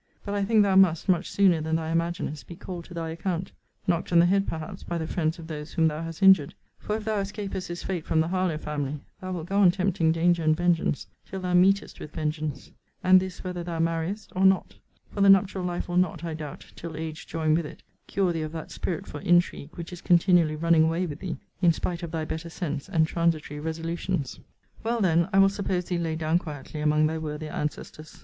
But I think thou must, much sooner than thou imaginest, be called to thy account knocked on the head perhaps by the friends of those whom thou hast injured; for if thou escapest this fate from the Harlowe family, thou wilt go on tempting danger and vengeance, till thou meetest with vengeance; and this, whether thou marriest, or not: for the nuptial life will not, I doubt, till age join with it, cure thee of that spirit for intrigue which is continually running away with thee, in spite of thy better sense, and transitory resolutions. Well, then, I will suppose thee laid down quietly among thy worthier ancestors.